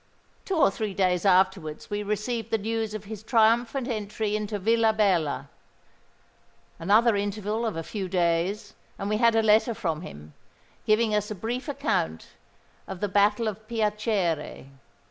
Two or three days afterwards we received the news of his triumphant entry into Villabella;—another interval of a few days, and we had a letter from him, giving us a brief account of the Battle of Piacere.